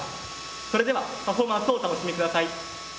それではパフォーマンスをお楽しみ下さい。